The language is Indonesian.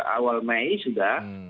awal mei sudah